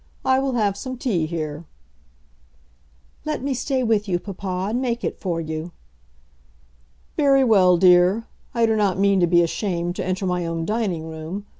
I will have some tea here." "Let me stay with you, papa, and make it for you." "Very well, dear. I do not mean to be ashamed to enter my own dining room.